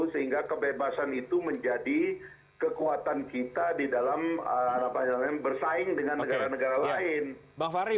sehingga kebebasan itu menjadi kekuatan kita di dalam bersaing dengan negara negara lain